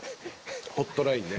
ホットラインね。